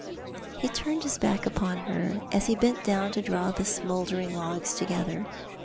He turned his back upon her as ho bent down to draw the smouldering logs together.